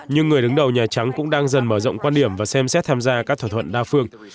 nhưng người đứng đầu nhà trắng cũng đang dần mở rộng quan điểm và xem xét tham gia các thỏa thuận đa phương